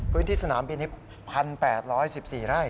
พื้นที่สนามบินิป๑๘๑๔ไร่